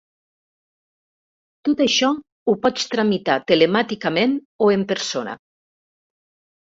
Tot això ho pots tramitar telemàticament o en persona.